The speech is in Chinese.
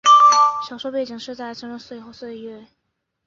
小说背景设在奥匈帝国的最后岁月。